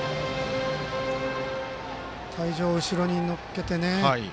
体重を後ろに乗っけてね